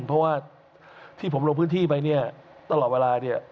เพราะว่าที่ผมลงพื้นที่ไปเนี่ยตลอดเวลาเนี่ย